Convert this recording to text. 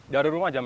dari rumah jam enam